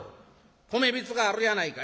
米びつがあるやないか。